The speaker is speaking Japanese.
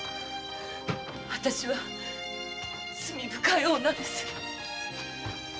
私は罪深い女です。